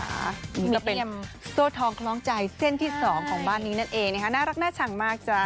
เตรียมโซ่ทองคล้องใจเส้นที่๒ของบ้านนี้นั่นเองนะคะน่ารักน่าชังมากจ๊ะ